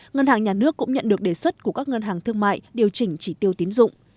ngân hàng nhà nước cũng nhận được đề xuất của các ngân hàng thương mại điều chỉnh chỉ tiêu tiến dụng